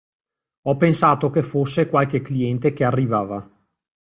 Ho pensato che fosse qualche cliente che arrivava.